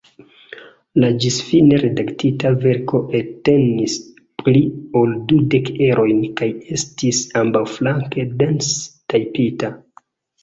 La ĝisfine redaktita verko entenis pli ol dudek erojn kaj estis ambaŭflanke dense tajpita.